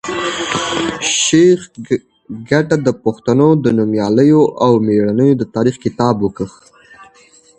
شېخ کټه د پښتنو د نومیالیو او مېړنیو د تاریخ کتاب وکېښ.